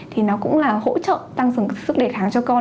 thì nó cũng là hỗ trợ tăng cường sức đề kháng cho con